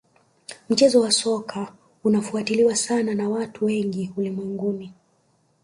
mchezo wa soka unafuatiliwa sana na watu wengi ulimwenguni